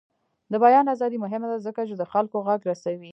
د بیان ازادي مهمه ده ځکه چې د خلکو غږ رسوي.